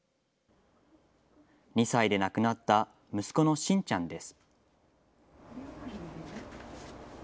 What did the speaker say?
２歳で亡くなった息子のしんちゃんです。